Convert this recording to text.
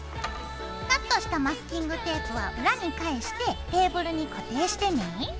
カットしたマスキングテープは裏に返してテーブルに固定してね。